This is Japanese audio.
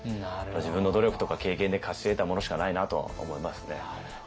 自分の努力とか経験で勝ち得たものしかないなとは思いますね。